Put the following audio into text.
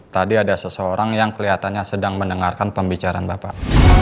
tadi ada seseorang yang kelihatannya sedang mendengarkan pembicaraan bapak